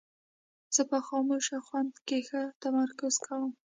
زه په خاموشه خونه کې ښه تمرکز کوم.